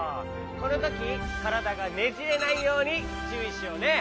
このときからだがねじれないようにちゅういしようね。